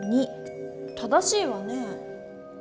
正しいわね。